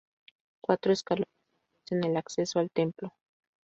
Cuatro escalones ofrecen el acceso al templo.